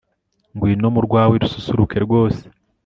ngwino mu rwawe rususuruke rwose